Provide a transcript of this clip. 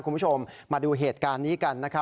คุณผู้ชมมาดูเหตุการณ์นี้กันนะครับ